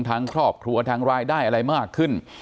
ทางครอบครัวทางรายได้อะไรมากขึ้น